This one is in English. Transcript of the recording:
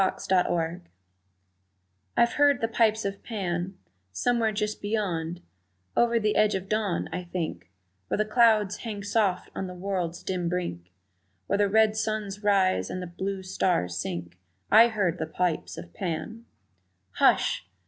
The Piper I'VE heard the pipes of Pan Somewhere, just beyond, Over the edge of dawn, I think, Where the clouds hang soft on the world's dim brink, Where the red suns rise and the blue stars sink, I heard the pipes of Pan! Hush!